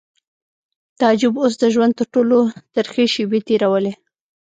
تعجب اوس د ژوند تر ټولو ترخې شېبې تېرولې